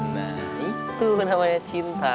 nah itu namanya cinta